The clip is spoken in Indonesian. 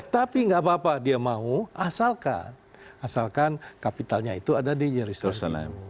tapi nggak apa apa dia mau asalkan asalkan kapitalnya itu ada di yerusalem